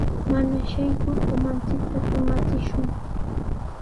Mana shaykur umanchikta tumachishun.